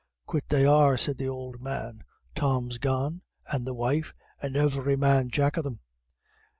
"Quit they are," said the old man. "Tom's gone, and the wife, and every man jack of them.